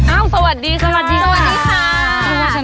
อ้าวสวัสดีค่ะ